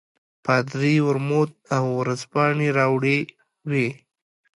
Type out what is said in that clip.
پادري ورموت او ورځپاڼې راوړې وې.